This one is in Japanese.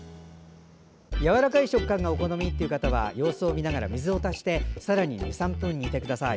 やわらかい食感がお好みの方は様子を見ながら水を足してさらに２３分煮てください。